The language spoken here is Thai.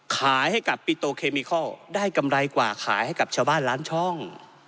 ขายให้กับปิโตเคมิคอลได้กำไรกว่าขายให้กับชาวบ้านล้านช่อง